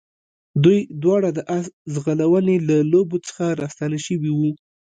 دوی دواړه د آس ځغلونې له لوبو څخه راستانه شوي وو.